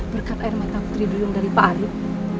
berkat air mata putri duyung dari pak arief